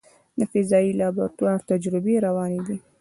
د فضایي لابراتوار تجربې روانې دي.